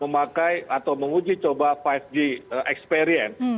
memakai atau menguji coba lima g experience